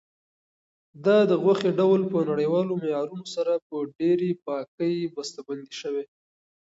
دا د غوښې ډول په نړیوالو معیارونو سره په ډېرې پاکۍ بسته بندي شوی.